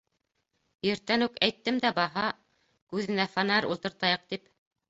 — Иртән үк әйттем дә баһа, күҙенә фонарь ултыртайыҡ тип.